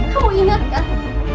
kamu ingat kan